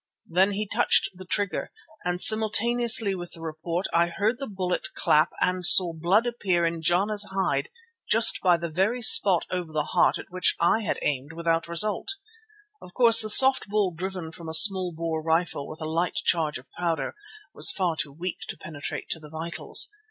Then he touched the trigger, and simultaneously with the report, I heard the bullet clap and saw blood appear on Jana's hide just by the very spot over the heart at which I had aimed without result. Of course, the soft ball driven from a small bore rifle with a light charge of powder was far too weak to penetrate to the vitals.